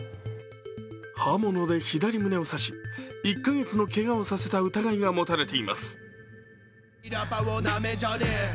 刃物で左胸を刺し１か月のけがをさせた疑いが持たれています。